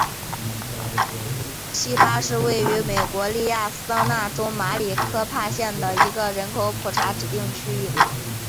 锡巴是位于美国亚利桑那州马里科帕县的一个人口普查指定地区。